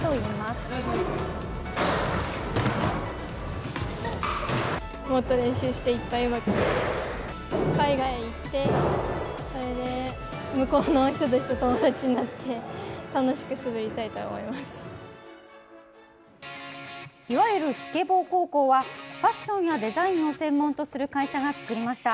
いわゆるスケボー高校はファッションやデザインを専門とする会社が作りました。